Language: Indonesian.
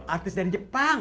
artis dari jepang